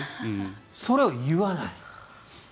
それを言わない。